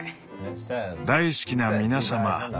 「大好きな皆様。